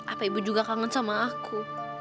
apa ibu juga kangen sama aku